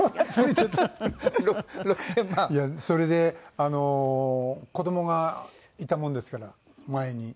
いやそれであの子どもがいたもんですから前に。